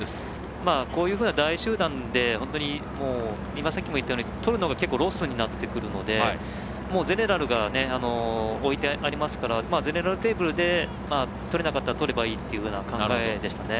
こういうふうな大集団でとるのが結構ロスになってくるのでゼネラルが置いてありますからゼネラルテーブルで取れなかったら、取ればいいという考えでした。